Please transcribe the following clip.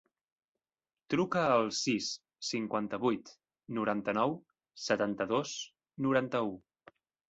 Truca al sis, cinquanta-vuit, noranta-nou, setanta-dos, noranta-u.